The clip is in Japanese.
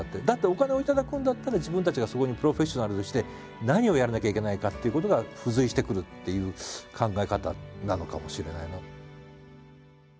だってお金を頂くんだったら自分たちがそこにプロフェッショナルとして何をやらなきゃいけないかということが付随してくるっていう考え方なのかもしれないなと。